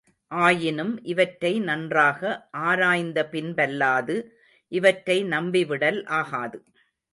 ஆயினும் இவற்றை நன்றாக ஆராய்ந்த பின்பல்லாது, இவற்றை நம்பிவிடல் ஆகாது.